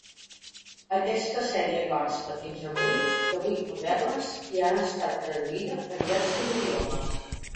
Aquesta sèrie consta, fins avui, de vuit novel·les i ha estat traduïda a diversos idiomes.